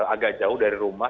agak jauh dari rumah